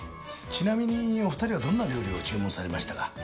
ちなみにお二人はどんな料理を注文されましたか？